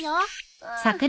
うん。